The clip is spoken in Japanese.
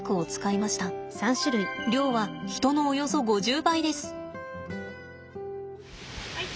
量は人のおよそ５０倍です。